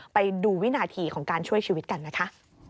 ไปดูวินาทีของการช่วยชีวิตกันนะคะ